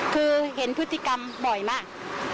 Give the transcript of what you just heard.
คือเห็นพฤติกรรมบ่อยมาก